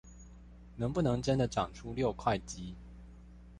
能不能真的長出六塊肌